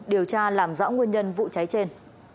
điều tra làm rõ nguyên nhân vụ cháy trên